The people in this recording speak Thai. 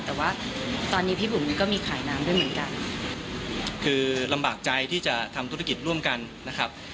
แต่ว่าตอนนี้พี่บุ๋มนี่ก็มีขายน้ำด้วยเหมือนกันคือลำบากใจที่จะทำธุรกิจร่วมกันนะครับ